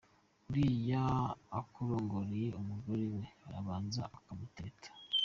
Uriya ukurongorera umugore we arabanza akamutereta.